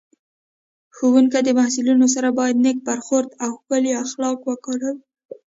ښوونکی د محصلینو سره باید نېک برخورد او ښکلي اخلاق وکاروي